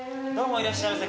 いらっしゃいませ。